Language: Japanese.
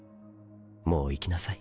もう行きなさい。